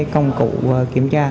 công cụ kiểm tra